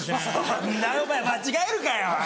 そんなお前間違えるかよ。